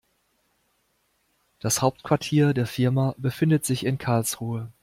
Das Hauptquartier der Firma befindet sich in Karlsruhe